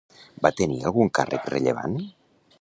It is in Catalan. Va tenir algun càrrec rellevant?